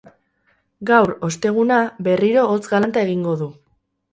Gaur, osteguna, berriro hotz galanta egingo du.